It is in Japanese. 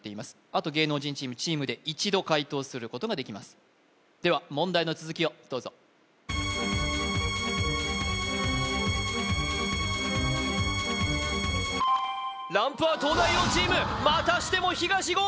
あと芸能人チームチームで一度解答することができますでは問題の続きをどうぞランプは東大王チームまたしても東言！